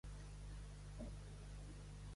Veritat sabuda i bona fe guardada.